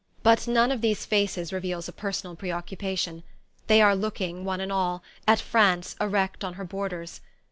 But none of these faces reveals a personal preoccupation: they are looking, one and all, at France erect on her borders.